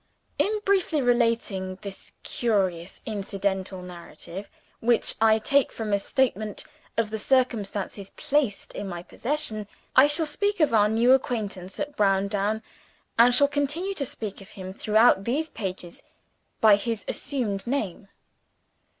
In briefly relating this curious incidental narrative (which I take from a statement of the circumstances placed in my possession) I shall speak of our new acquaintance at Browndown and shall continue to speak of him throughout these pages by his assumed name.